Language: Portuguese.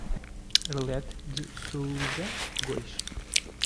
Arlete de Soouza Gois